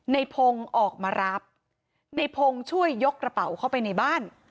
ในพงศ์ออกมารับในพงศ์ช่วยยกกระเป๋าเข้าไปในบ้าน